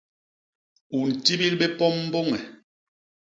U ntibil bé pom mbôñe.